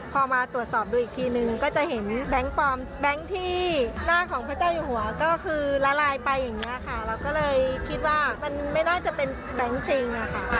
พอมาตรวจสอบดูอีกทีนึงก็จะเห็นแบงค์ปลอมแบงค์ที่หน้าของพระเจ้าอยู่หัวก็คือละลายไปอย่างนี้ค่ะเราก็เลยคิดว่ามันไม่น่าจะเป็นแบงค์จริงอะค่ะ